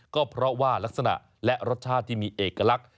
ก็เพราะว่ารักษณะและรสชาติที่มีเอกลักษณ์